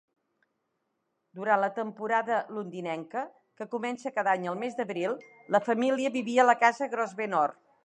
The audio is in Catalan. Durant la temporada londinenca, que comença cada any al mes d'abril, la família vivia a la Casa Grosvenor.